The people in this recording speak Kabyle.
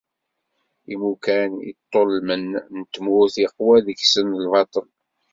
Imukan iṭṭullmen n tmurt iqwa deg-sen lbaṭel.